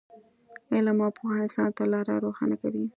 علم او پوهه انسان ته لاره روښانه کوي.